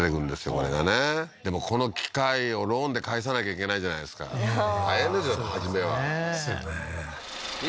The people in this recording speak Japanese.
これがねでもこの機械をローンで返さなきゃいけないじゃないですか大変ですよ